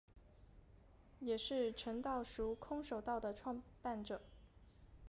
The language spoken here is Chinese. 也是诚道塾空手道的创办者。